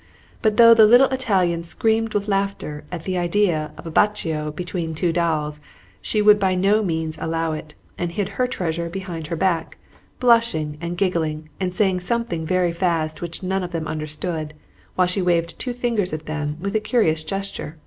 But though the little Italian screamed with laughter at the idea of a bacio between two dolls, she would by no means allow it, and hid her treasure behind her back, blushing and giggling, and saying something very fast which none of them understood, while she waved two fingers at them with a curious gesture.